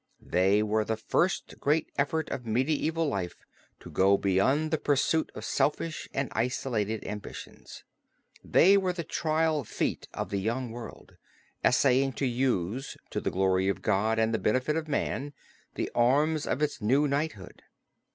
They were the first great effort of medieval life to go beyond the pursuit of selfish and isolated ambitions; they were the trial feat of the young world, essaying to use, to the glory of God and the benefit of man, the arms of its new knighthood.